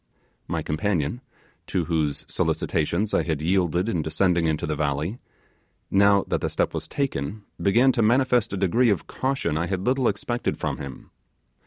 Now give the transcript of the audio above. My companion to whose solicitations I had yielded in descending into the valley now that the step was taken, began to manifest a degree of caution I had little expected from him.